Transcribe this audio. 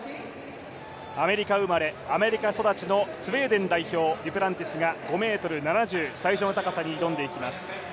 アメリカ生まれ、アメリカ育ちのスウェーデン代表、デュプランティスが５ｍ７０、最初の高さに挑んでいきます。